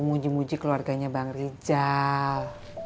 muji muji keluarganya bang rizal